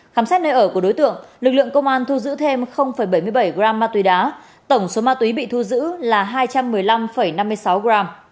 khám xét nơi ở của đối tượng lực lượng công an thu giữ thêm bảy mươi bảy gram ma túy đá tổng số ma túy bị thu giữ là hai trăm một mươi năm năm mươi sáu gram